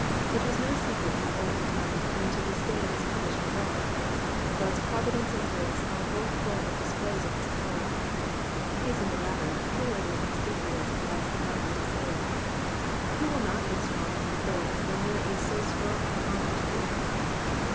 It was no secret in the olden time and to this day it is pub lished abroad. God^s providence and grace are both full of displays of his power; he is in the latter peculiarly conspicuous as ^^ mighty to save.*' Who will not be strong in faith when there is so strong an arm to lean upon